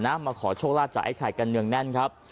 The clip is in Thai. มาขอโชคลาดจากไอใหคตะกันเหนือนแน่นครับ